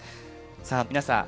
さあ皆さん